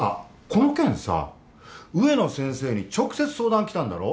この件さ植野先生に直接相談きたんだろ？